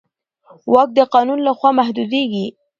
واک د قانون له خوا محدودېږي.